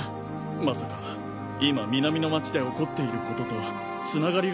まさか今南の街で起こっていることとはつながりがあるのか？